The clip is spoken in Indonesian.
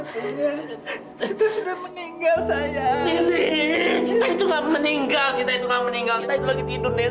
cita itu lagi tidur nen